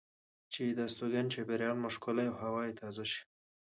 چې د استوګنې چاپیریال مو ښکلی او هوا یې تازه شي.